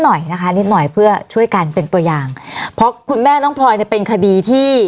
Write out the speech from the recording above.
หน่อยนะคะนิดหน่อยเพื่อช่วยกันเป็นตัวอย่างเพราะคุณแม่น้องพลอยเนี่ยเป็นคดีที่